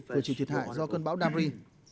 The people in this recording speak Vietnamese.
về trị thiệt hại do cơn bão damri